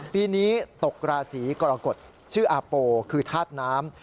ปีนี้ตกราศีกรกฎชื่ออาโปคือธาตุน้ำ